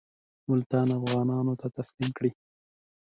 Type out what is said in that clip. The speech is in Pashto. ملتان افغانانو ته تسلیم کړي.